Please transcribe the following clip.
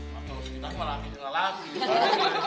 masuk kita ke malam ini lelaki